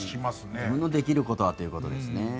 自分のできることはということですね。